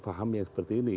saya paham yang seperti ini